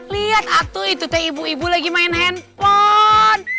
lihat atu itu teh ibu ibu lagi main handphone